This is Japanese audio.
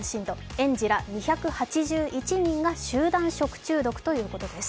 園児ら２８１人が集団食中毒ということです。